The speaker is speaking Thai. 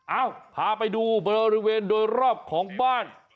เอ้าพาไปดูบริเวณโดยรอบของบ้าน